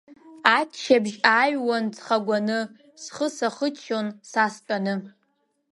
Аччабжь ааҩуан ҵхагәаны, схы сахыччон са стәаны.